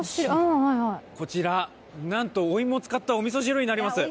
こちら、なんとお芋を使ったお味噌汁になります。